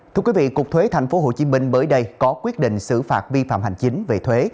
thưa quý vị cục thuế tp hcm mới đây có quyết định xử phạt vi phạm hành chính về thuế